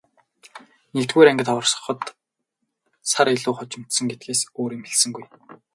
Нэгдүгээр ангид ороход сар илүү хожимдсон гэдгээс өөр юм хэлсэнгүй.